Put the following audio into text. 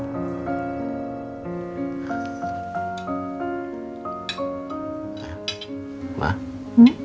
dekat dan menebak dari gue